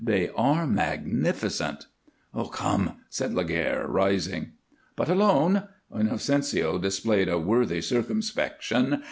They are magnificent." "Come!" said Laguerre, rising. "But alone!" Inocencio displayed a worthy circumspection.